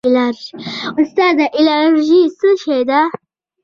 استاده الرژي څه شی ده